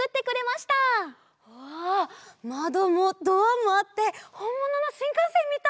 わまどもドアもあってほんもののしんかんせんみたい！